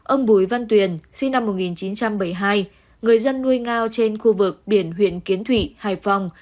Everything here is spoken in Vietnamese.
ông bùi văn tuyền sinh năm một nghìn chín trăm bảy mươi hai người dân nuôi ngao trên khu vực biển huyện kiến thụy hải phòng